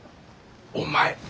お前。